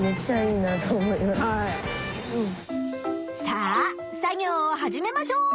さあ作業を始めましょう！